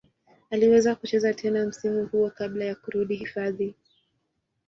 Aliweza kucheza tena msimu huo kabla ya kurudi hifadhi.